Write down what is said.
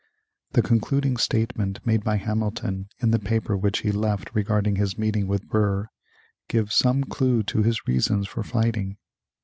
The concluding statement made by Hamilton in the paper which he left regarding his meeting with Burr gives some clue to his reasons for fighting.